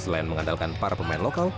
selain mengandalkan para pemain lokal